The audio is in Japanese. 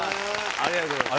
ありがとうございます。